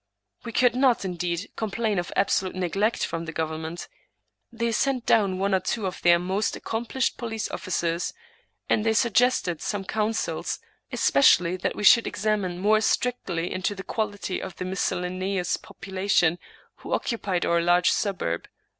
We could not^ indeed, complain of absolute neglect from the government. They sent down one or two of their most accomplished po lice officers, and they suggested some counsels, especially that we should examine more strictly into the quality of the miscellaneous population who occupied our large suburb.